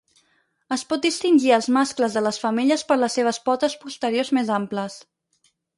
Es pot distingir als mascles de les femelles per les seves potes posteriors més amples.